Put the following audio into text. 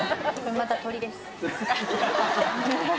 また鶏です。